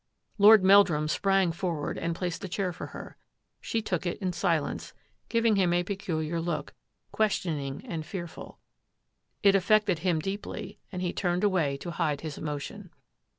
Lord Meldrum sprang forward and placed a chair for her. She took it in silence, giving him a peculiar look, questioning and fearful. It af fected him deeply and he turned away to hide his emotion.